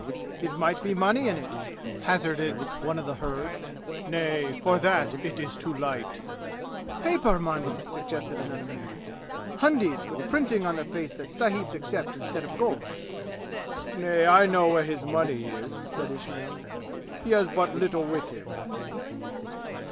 "It might be money in it?" hazarded one of the herd. "Nay, for that it is too light." "Paper money!" suggested another man. "Hundies, with printing on the face that sahibs accept instead of gold." "Nay, I know where his money is," said Ismail. "He has but little with him."